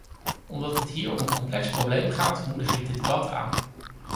Omdat het hier om een complex probleem gaat, moedig ik dit debat aan.